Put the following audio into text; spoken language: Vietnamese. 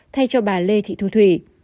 thay cho bà lê thị thu thủy